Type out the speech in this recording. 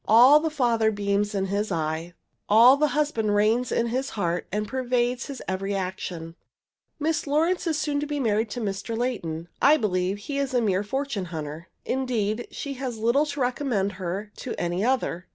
All the father beams in his eye; all the husband reigns in his heart and pervades his every action. Miss Lawrence is soon to be married to Mr. Laiton. I believe he is a mere fortune hunter. Indeed, she has little to recommend her to any other.